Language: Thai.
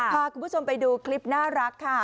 พาคุณผู้ชมไปดูคลิปน่ารักค่ะ